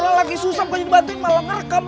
orang lagi susah mau dibantuin malah ngerekam